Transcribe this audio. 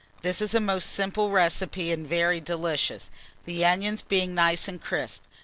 This is a most simple recipe and very delicious, the onions being nice and crisp.